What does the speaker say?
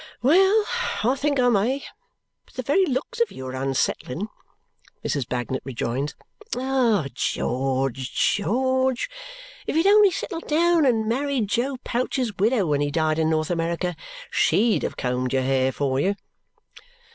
"Well, I think I may. But the very looks of you are unsettling," Mrs. Bagnet rejoins. "Ah, George, George! If you had only settled down and married Joe Pouch's widow when he died in North America, SHE'D have combed your hair for you."